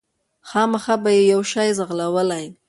خامخا به یې یو شی وو ځغلولی